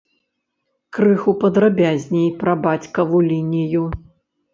Крыху падрабязней пра бацькаву лінію.